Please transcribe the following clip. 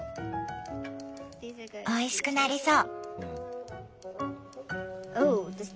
おいしくなりそう！